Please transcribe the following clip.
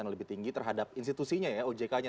yang lebih tinggi terhadap institusinya ya ojk nya